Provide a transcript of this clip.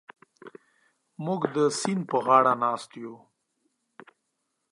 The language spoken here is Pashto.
موږ د سیند پر غاړه ناست یو.